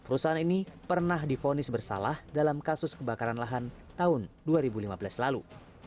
perusahaan ini pernah difonis bersalah dalam kasus kebakaran lahan tahun dua ribu lima belas lalu